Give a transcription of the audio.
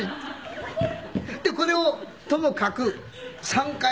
でこれをともかく３回。